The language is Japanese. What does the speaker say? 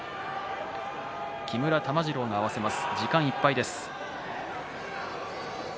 木村玉治郎が合わせます。